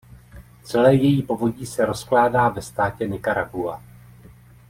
Celé její povodí se rozkládá ve státě Nikaragua.